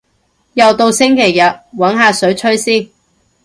又到星期日，搵下水吹先